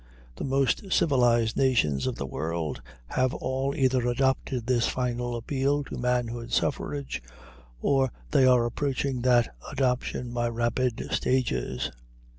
The most civilized nations of the world have all either adopted this final appeal to manhood suffrage, or they are approaching that adoption by rapid stages.